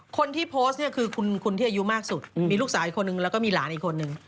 คนที่โพสต์เนี่ยคือคุณที่อายุมากสุดมีลูกสาวอีกคนนึงแล้วก็มีหลานอีกคนนึง